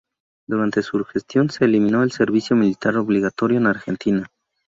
Durante su gestión se eliminó el servicio militar obligatorio en Argentina.